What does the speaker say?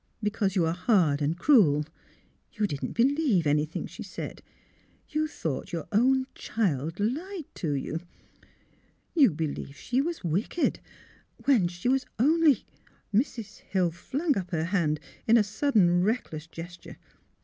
" Because you are hard and cruel. You didn't believe anything she said. You thought your own child lied to you. You believed she was wicked, when she was only " Mrs. Hill flung up her hand in a sudden reck less gesture.